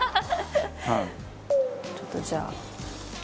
松本：ちょっと、じゃあ。